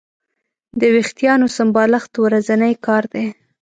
د وېښتیانو سمبالښت ورځنی کار دی.